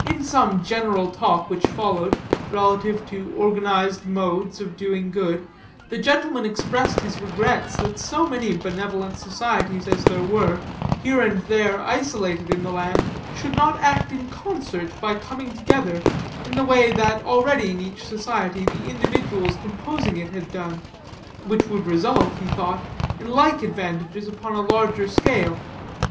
In some general talk which followed, relative to organized modes of doing good, the gentleman expressed his regrets that so many benevolent societies as there were, here and there isolated in the land, should not act in concert by coming together, in the way that already in each society the individuals composing it had done, which would result, he thought, in like advantages upon a larger scale.